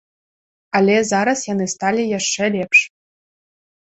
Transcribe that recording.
Але зараз яны сталі яшчэ лепш.